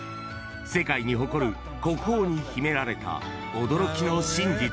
世界に誇る国宝に秘められた驚きの真実。